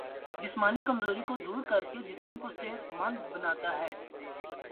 جسمانی کمزوری کو دور کرکے جسم کو صحت مند بناتا ہے